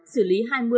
xử lý hai mươi